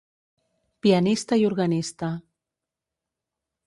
Pianista i organista.